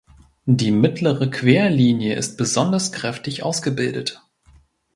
Die mittlere Querlinie ist besonders kräftig ausgebildet.